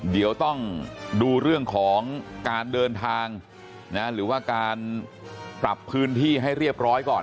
เดี๋ยวต้องดูเรื่องของการเดินทางหรือว่าการปรับพื้นที่ให้เรียบร้อยก่อน